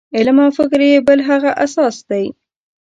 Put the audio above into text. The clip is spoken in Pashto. علم او فکر یې بل هغه اساس دی.